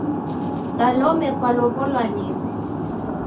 Salome kulow'olwa nembe?